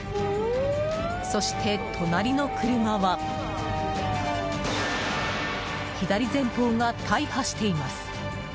そして隣の車は左前方が大破しています。